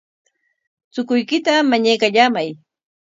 Chukuykita mañaykallamay.